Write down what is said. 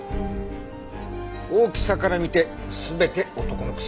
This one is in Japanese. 大きさから見て全て男の靴。